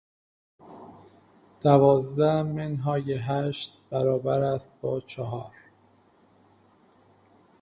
دوازده منهای هشت برابر است با چهار.